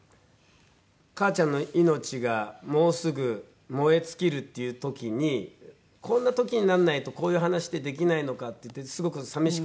母ちゃんの命がもうすぐ燃え尽きるっていう時にこんな時にならないとこういう話ってできないのかって言ってすごく寂しくはなりましたけど。